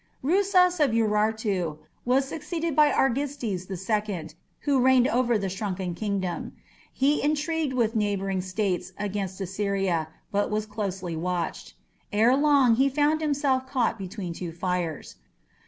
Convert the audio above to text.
Rusas of Urartu was succeeded by Argistes II, who reigned over a shrunken kingdom. He intrigued with neighbouring states against Assyria, but was closely watched. Ere long he found himself caught between two fires.